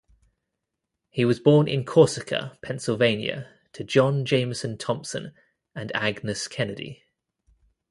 He was born in Corsica, Pennsylvania, to John Jamison Thompson and Agnes Kennedy.